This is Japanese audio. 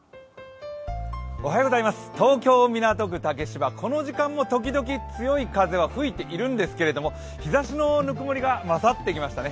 東京・港区竹芝、この時間もときどき強い風が吹いているんですけれども日ざしのぬくまりが勝ってきましたね。